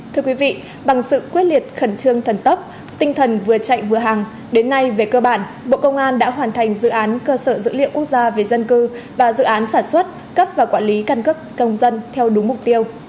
thưa quý vị bằng sự quyết liệt khẩn trương thần tốc tinh thần vừa chạy vừa hàng đến nay về cơ bản bộ công an đã hoàn thành dự án cơ sở dữ liệu quốc gia về dân cư và dự án sản xuất cấp và quản lý căn cước công dân theo đúng mục tiêu